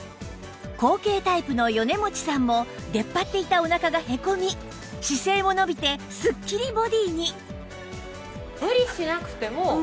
後傾タイプの米持さんも出っ張っていたお腹がへこみ姿勢も伸びてすっきりボディーに！